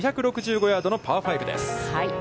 ５６５ヤードのパー５です。